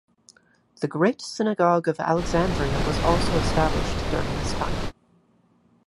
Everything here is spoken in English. The Great Synagogue of Alexandria was also established during this time.